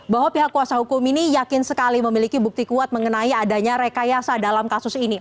bahwa pihak kuasa hukum ini yakin sekali memiliki bukti kuat mengenai adanya rekayasa dalam kasus ini